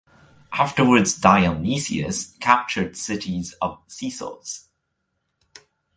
Afterwards Dionysius captured cities of Sicels.